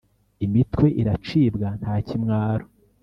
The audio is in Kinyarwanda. imitwe iracibwa ntakimwaro